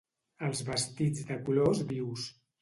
Els vestits de colors vius